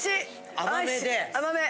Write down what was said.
甘め。